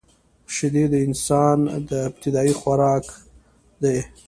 شیدې د انسان ابتدايي خوراک دی